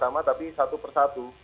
sama tapi satu persatu